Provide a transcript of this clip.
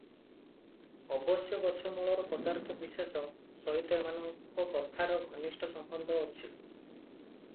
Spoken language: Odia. ଅବଶ୍ୟ ଗଛମୂଳର ପଦାର୍ଥ ବିଶେଷ ସହିତ ଏମାନଙ୍କ କଥାର ଘନିଷ୍ଠ ସମ୍ବନ୍ଧ ଅଛି ।